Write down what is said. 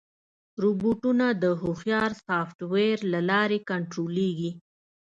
روبوټونه د هوښیار سافټویر له لارې کنټرولېږي.